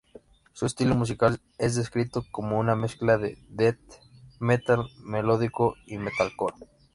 Su estilo musical es descrito como una mezcla de death metal melódico y metalcore.